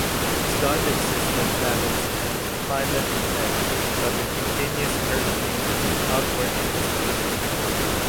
Its guidance system damaged and pilot dead, but it continues hurtling outward into space.